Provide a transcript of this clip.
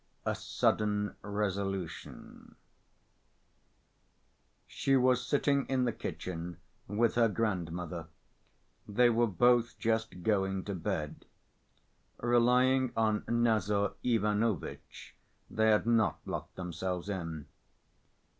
A Sudden Resolution She was sitting in the kitchen with her grandmother; they were both just going to bed. Relying on Nazar Ivanovitch, they had not locked themselves in.